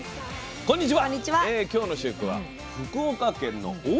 こんにちは。